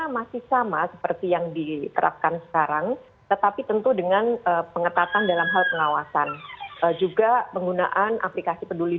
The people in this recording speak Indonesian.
masih sama seperti yang diterapkan sekarang tetapi tentu dengan pengetatan dalam hal pengawasan juga